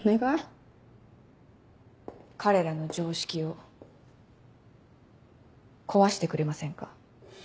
彼らの常識を壊してくれませんか？